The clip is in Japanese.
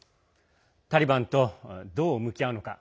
タリバンと、どう向き合うのか。